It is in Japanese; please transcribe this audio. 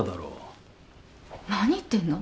何言ってんの？